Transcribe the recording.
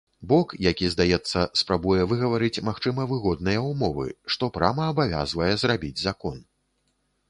Бок, які здаецца, спрабуе выгаварыць магчыма выгодныя ўмовы, што прама абавязвае зрабіць закон.